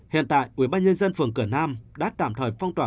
hiện tại ubnd phường cửa nam đã tạm thời phong tỏa